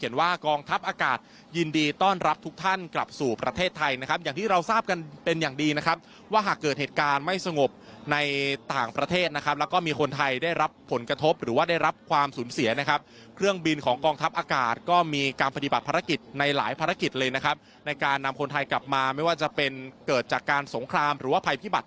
ว่ากองทัพอากาศยินดีต้อนรับทุกท่านกลับสู่ประเทศไทยนะครับอย่างที่เราทราบกันเป็นอย่างดีนะครับว่าหากเกิดเหตุการณ์ไม่สงบในต่างประเทศนะครับแล้วก็มีคนไทยได้รับผลกระทบหรือว่าได้รับความสูญเสียนะครับเครื่องบินของกองทัพอากาศก็มีการปฏิบัติภารกิจในหลายภารกิจเลยนะครับในการนำคนไทยกลับมาไม่ว่าจะเป็นเกิดจากการสงครามหรือว่าภัยพิบัติ